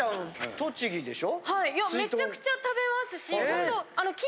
栃木でしょ？